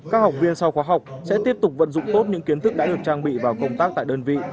các học viên sau khóa học sẽ tiếp tục vận dụng tốt những kiến thức đã được trang bị vào công tác tại đơn vị